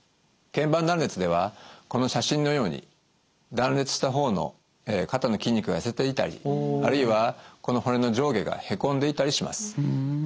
腱板断裂ではこの写真のように断裂した方の肩の筋肉が痩せていたりあるいはこの骨の上下がへこんでいたりします。